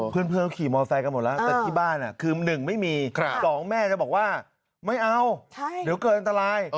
เพื่อนเขาขี่มอไซค์กันหมดแล้วแต่ที่บ้านคือ๑ไม่มี๒แม่จะบอกว่าไม่เอาเดี๋ยวเกิดอันตราย